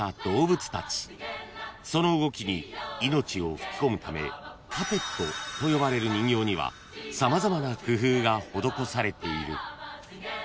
［その動きに命を吹き込むためパペットと呼ばれる人形には様々な工夫が施されている］